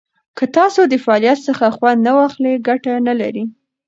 که تاسو د فعالیت څخه خوند نه واخلئ، ګټه نه لري.